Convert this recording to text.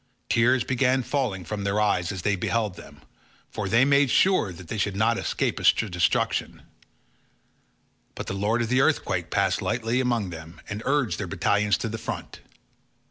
Tears began falling from their eyes as they beheld them, for they made sure that they should not escape destruction; but the lord of the earthquake passed lightly about among them and urged their battalions to the front.